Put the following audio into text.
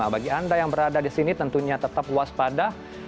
bagi anda yang berada di sini tentunya tetap waspada